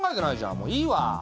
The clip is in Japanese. もういいわ。